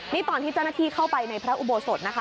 นี่ตอนที่เจ้าหน้าที่เข้าไปในพระอุโบสถนะคะ